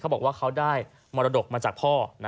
เขาบอกว่าคือได้มรดกมาจากพ่อ